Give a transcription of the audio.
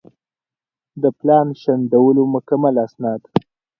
د پلان شنډولو مکمل اسناد